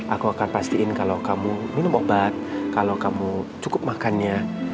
aku akan pastiin kalau kamu minum obat kalau kamu cukup makannya